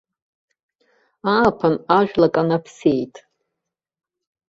Ааԥын ажәла канаԥсеит.